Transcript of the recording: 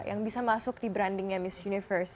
yang bisa masuk di brandingnya miss universe